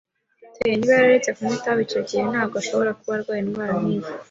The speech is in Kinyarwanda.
[T] Niba yararetse kunywa itabi icyo gihe, ntabwo ashobora kuba arwaye indwara nkiyi.